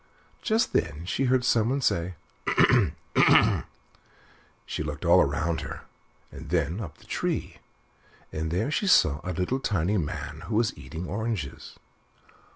Just then she heard some one say: "H'm, h'm!" She looked all round her, and then up the tree, and there she saw a little tiny man, who was eating oranges.